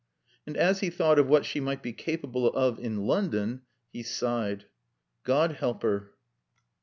And as he thought of what she might be capable of in London, he sighed, "God help her!"